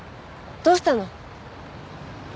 どうしたの？